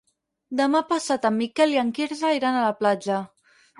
Demà passat en Miquel i en Quirze iran a la platja.